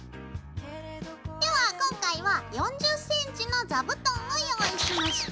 では今回は４０ｃｍの座布団を用意しました。